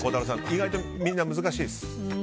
意外とみんな難しいです。